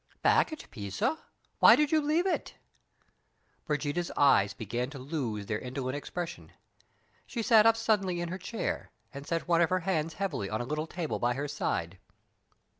"Back at Pisa? Why did you leave it?" Brigida's eyes began to lose their indolent expression. She sat up suddenly in her chair, and set one of her hands heavily on a little table by her side.